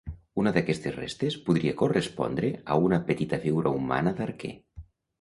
Una d'aquestes restes podria correspondre a una petita figura humana d'arquer.